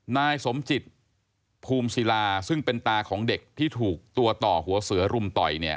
นายสมจิตภูมิศิลาซึ่งเป็นตาของเด็กที่ถูกตัวต่อหัวเสือรุมต่อยเนี่ย